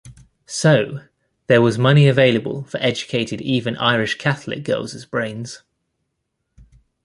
So, there was money available for educating even Irish Catholic girls' brains.